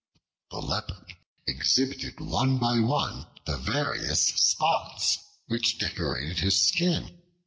The Leopard exhibited one by one the various spots which decorated his skin.